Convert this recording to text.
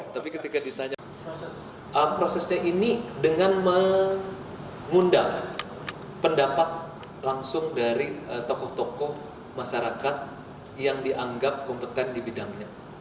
tapi ketika ditanya prosesnya ini dengan mengundang pendapat langsung dari tokoh tokoh masyarakat yang dianggap kompeten di bidangnya